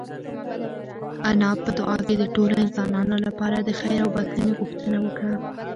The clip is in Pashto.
انا په دعا کې د ټولو انسانانو لپاره د خیر او بښنې غوښتنه وکړه.